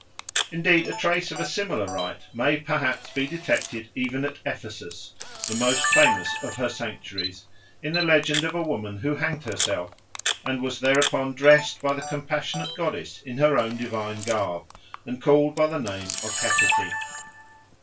Indeed a trace of a similar rite may perhaps be detected even at Ephesus, the most famous of her sanctuaries, in the legend of a woman who hanged herself and was thereupon dressed by the compassionate goddess in her own divine garb and called by the name of Hecate.